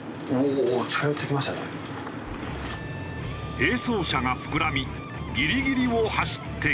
並走車が膨らみギリギリを走ってきた。